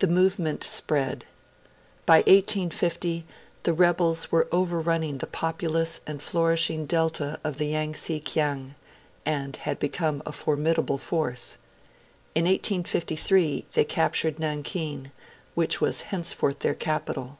The movement spread. By 1850 the rebels were overrunning the populous and flourishing delta of the Yangtse Kiang, and had become a formidable force. In 1853 they captured Nankin, which was henceforth their capital.